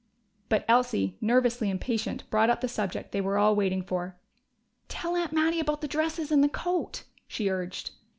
But Elsie, nervously impatient, brought up the subject they were all waiting for. "Tell Aunt Mattie about the dresses and the coat," she urged.